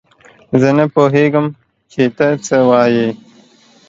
زه نه پوهېږم چې تۀ څۀ وايي.